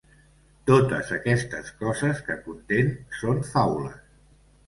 Totes aquestes coses que conten són faules.